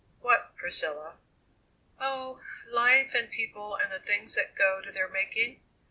"What, Priscilla?" "Oh, life and people and the things that go to their making?